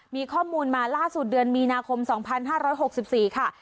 มีข้อมูลมาล่าสุดเดือนมีนาคมสองพันห้าร้อยหกสิบสี่ค่ะ